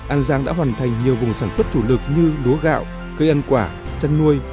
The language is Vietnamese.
an giang đã hoàn thành nhiều vùng sản xuất chủ lực như lúa gạo cây ăn quả chăn nuôi